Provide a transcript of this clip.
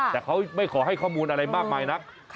แต่เขาไม่ขอให้ข้อมูลอะไรมากมายนัก